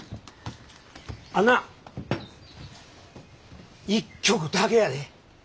あんな１曲だけやで。